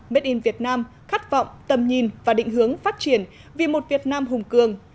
made in vietnam khát vọng tầm nhìn và định hướng phát triển vì một việt nam hùng cường